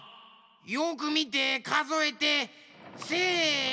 よくみてかぞえてせの！